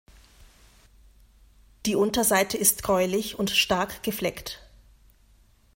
Die Unterseite ist gräulich und stark gefleckt.